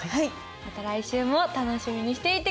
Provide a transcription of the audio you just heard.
また来週も楽しみにしていて下さい。